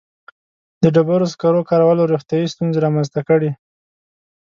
• د ډبرو سکرو کارولو روغتیایي ستونزې رامنځته کړې.